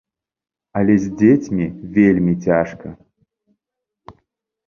Але з дзецьмі вельмі цяжка.